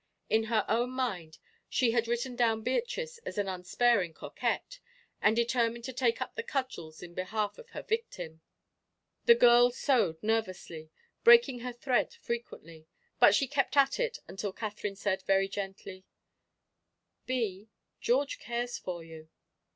In her own mind, she had written down Beatrice as an unsparing coquette, and determined to take up the cudgels in behalf of her victim. The girl sewed nervously, breaking her thread frequently, but she kept at it until Katherine said, very gently, "Bee, George cares for you."